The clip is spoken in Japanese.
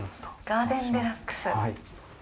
ガーデンデラックス。